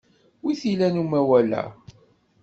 Wi t-ilan umawal-a?